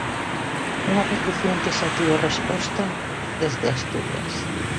Unha petición que xa tivo resposta desde Asturias.